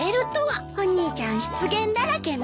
お兄ちゃん失言だらけね。